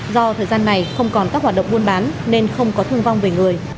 do thời gian này không còn các hoạt động buôn bán nên không có thương vong về người